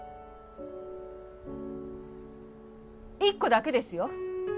１個だけですよ。